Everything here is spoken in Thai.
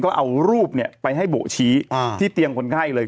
ก็เอารูปไปให้บ่ชี้ที่เตียงคนไข้เลย